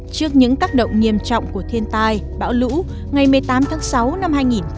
trước những tác động nghiêm trọng của thiên tai bão lũ ngày một mươi tám tháng sáu năm hai nghìn một mươi chín